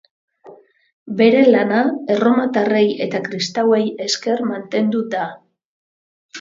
Bere lana, erromatarrei eta kristauei esker mantendu da.